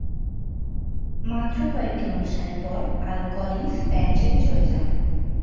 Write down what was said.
মাত্র কয়েকটি অনুষ্ঠানের পর, আল কলিন্স ব্যান্ড ছেড়ে চলে যান।